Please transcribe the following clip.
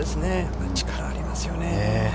力ありますよね。